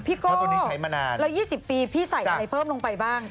พี่โก้แล้ว๒๐ปีพี่ใส่อะไรเพิ่มลงไปบ้าง